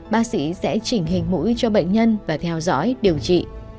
bác sĩ sẽ chỉnh hình mũi cho bệnh nhân và theo dõi điều trị